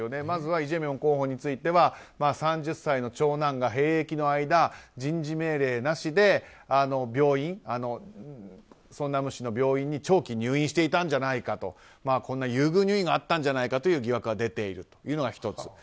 まずはイ・ジェミョン候補については３０歳の長男が兵役の間、人事命令なしでソンナム市の病院に長期入院していたんじゃないかと優遇入院があったんじゃないかという疑惑が出ているのが１つ。